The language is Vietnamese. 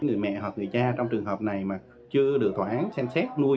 người mẹ hoặc người cha trong trường hợp này mà chưa được tòa án xem xét nuôi